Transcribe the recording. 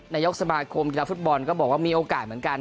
นายกสมาคมกีฬาฟุตบอลก็บอกว่ามีโอกาสเหมือนกัน